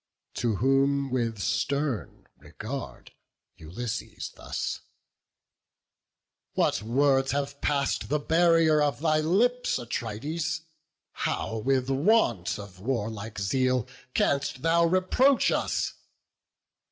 To whom, with stern regard, Ulysses thus: "What words have pass'd the barrier of thy lips, Atrides? how with want of warlike zeal Canst thou reproach us?